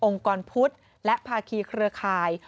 กรพุทธและภาคีเครือข่าย